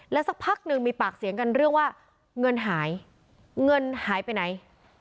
สักพักหนึ่งมีปากเสียงกันเรื่องว่าเงินหายเงินหายไปไหน